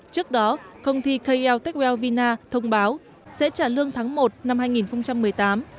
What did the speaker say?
trước đó công ty kel tecwell vina thông báo sẽ trả lương tháng một năm hai nghìn một mươi tám